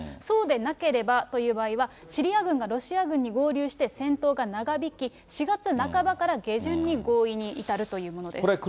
そうでなければという場合は、シリア軍がロシア軍に合流して戦闘が長引き、４月半ばから下旬に合意に至るというものです。